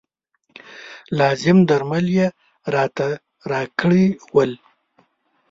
لازم درمل یې راته راکړي ول.